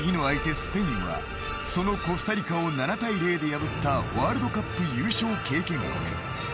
スペインはそのコスタリカを７対０で破ったワールドカップ優勝経験国。